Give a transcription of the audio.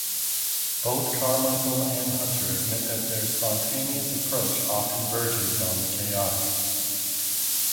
Both Carmichael and Hunter admit that their spontaneous approach often verges on the chaotic.